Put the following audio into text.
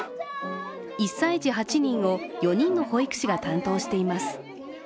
１歳児８人を４人の保育士が担当しています。